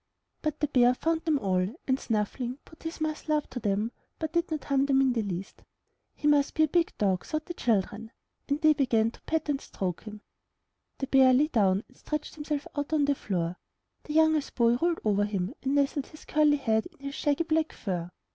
But the bear found them all and, snuffling, put his muzzle up to them, but did not harm them in the least. *' 'He must be a big dog,' thought the children; and they began to pet and stroke him. The bear lay down and stretched himself out on the floor; the youngest boy rolled over him and nestled his curly head in the shaggy black fur.